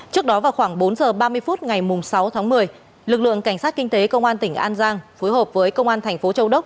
trước đó vào khoảng bốn h ba mươi phút ngày sáu tháng một mươi lực lượng cảnh sát kinh tế công an tỉnh an giang phối hợp với công an thành phố châu đốc